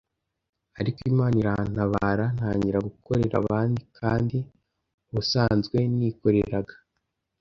ariko Imana irantabara, ntangira gukorera abandi kandi ubusanzwe nikoreraga.